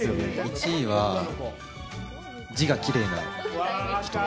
１位は、字がきれいな人。